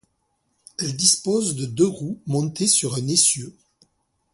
Elle dispose de deux roues montées sur un essieu.